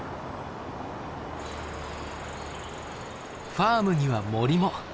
ファームには森も。